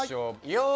よい。